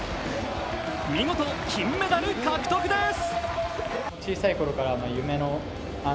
見事、金メダル獲得です。